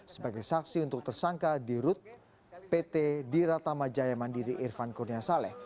sebagai saksi untuk tersangka di rut pt diratama jaya mandiri irfan kurnia saleh